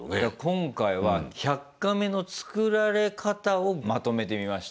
今回は「１００カメ」の作られ方をまとめてみました。